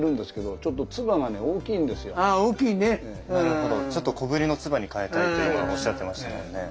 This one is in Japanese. ちょっと小ぶりの鐔に替えたいと今おっしゃってましたもんね。